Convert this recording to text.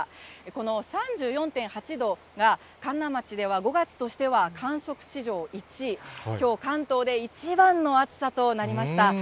この３４．８度が、神流町では５月としては観測史上１位、きょう関東で一番の暑さとなりました。